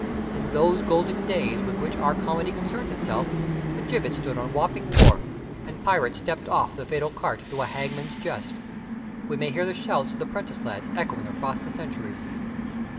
In those golden days with which our comedy concerns itself, a gibbet stood on Wapping wharf and pirates stepped off the fatal cart to a hangman's jest. We may hear the shouts of the 'prentice lads echoing across the centuries.